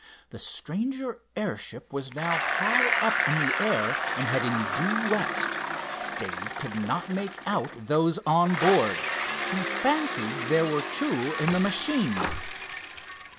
The stranger airship was now high up in the air, and heading due west. Dave could not make out those on board. He fancied there were two in the machine.